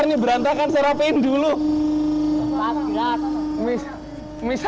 mie saya dirapiin dulu deh